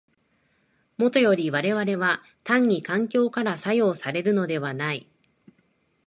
もとより我々は単に環境から作用されるのではない。